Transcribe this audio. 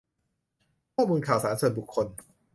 ข้อมูลข่าวสารส่วนบุคคล